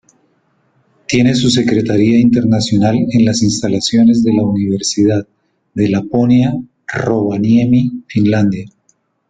Tiene su secretaría internacional en las instalaciones de la Universidad de Laponia, Rovaniemi, Finlandia.